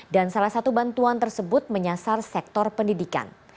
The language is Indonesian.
dan salah satu bantuan tersebut menyasar sektor pendidikan